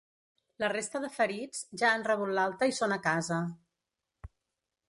La resta de ferits ja han rebut l’alta i són a casa.